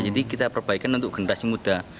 jadi kita perbaikan untuk generasi muda